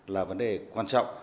là vấn đề quan trọng